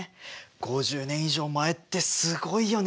５０年以上前ってすごいよね。